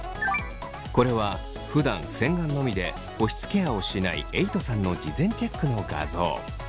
これはふだん洗顔のみで保湿ケアをしないえいとさんの事前チェックの画像。